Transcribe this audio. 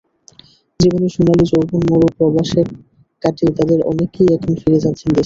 জীবনের সোনালি যৌবন মরু প্রবাসে কাটিয়ে তাদের অনেকেই এখন ফিরে যাচ্ছেন দেশে।